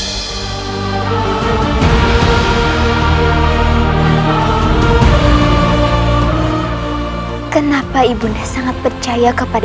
hai hai hai kenapa ibunya sangat percaya kepada